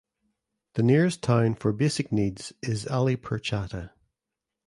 The nearest town for basic needs is Ali Pur Chatta.